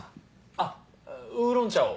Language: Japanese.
あっウーロン茶を。